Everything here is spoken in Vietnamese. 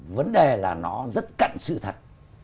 vấn đề là nó rất cận sự thật